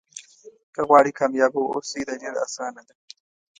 که غواړئ کامیابه واوسئ دا ډېره اسانه ده.